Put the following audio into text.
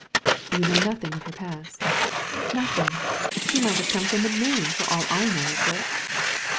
" You know nothing of her past ?"" Nothing I She might have come from the moon for all I know of her."